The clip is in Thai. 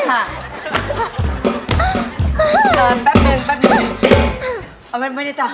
การนี้แปป๑